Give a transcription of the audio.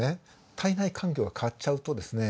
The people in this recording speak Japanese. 体内環境が変わっちゃうとですね